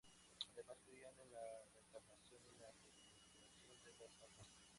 Además, creían en la reencarnación y la transmigración de las almas.